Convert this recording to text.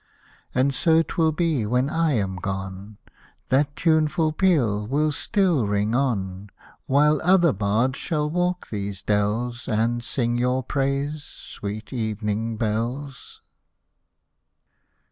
And so 'twill be when I am gone ; That tuneful peal will still ring on, While other bards shall walk those dells, And sing your praise, sweet evening bells.